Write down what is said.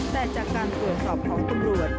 แต่จากการตรวจสอบของตำรวจ